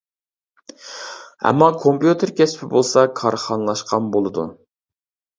ئەمما، كومپيۇتېر كەسپى بولسا كارخانىلاشقان بولىدۇ.